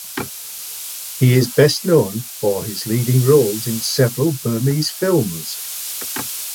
He is best known for his leading roles in several Burmese films.